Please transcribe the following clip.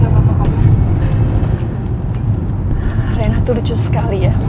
ma reina tuh lucu sekali ya